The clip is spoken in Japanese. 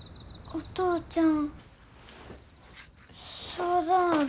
お父ちゃん